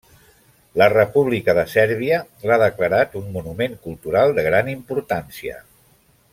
La República de Sèrbia l'ha declarat un monument cultural de gran importància.